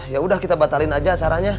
yaudah kita batalin aja caranya